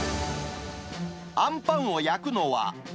あんぱんを焼くのは。